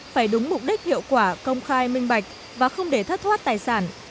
phải đúng mục đích hiệu quả công khai minh bạch và không để thất thoát tài sản